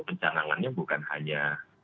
pencangangannya bukan hanya